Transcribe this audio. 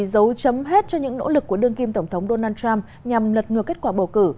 dấu chấm hết cho những nỗ lực của đương kim tổng thống donald trump nhằm lật ngược kết quả bầu cử